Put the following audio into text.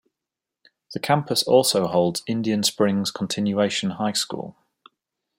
The campus also holds Indian Springs Continuation High School.